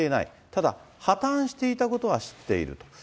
ただ、破綻していたことは知っている。